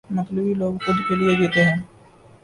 مطلبی لوگ خود کے لئے جیتے ہیں۔